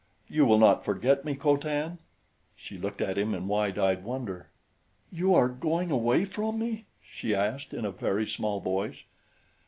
You will not forget me, Co Tan?" She looked at him in wide eyed wonder. "You are going away from me?" she asked in a very small voice.